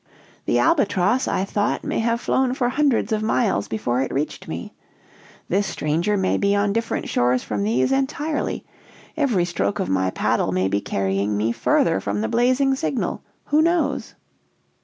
The albatross, I thought, may have flown for hundreds of miles before it reached me. This stranger may be on different shores from these entirely; every stroke of my paddle may be carrying me further from the blazing signal: who knows?